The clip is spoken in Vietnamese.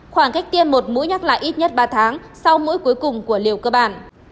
khoảng cách tiêm một mũi nhắc lại ít nhất ba tháng sau mũi cuối cùng của liều cơ bản